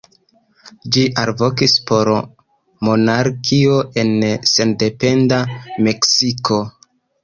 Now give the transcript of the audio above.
Ĝi alvokis por monarkio en sendependa Meksiko.